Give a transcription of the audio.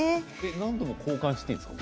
何度も交換していいんですか？